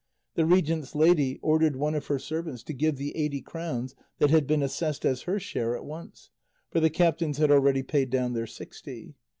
The regent's lady ordered one of her servants to give the eighty crowns that had been assessed as her share at once, for the captains had already paid down their sixty.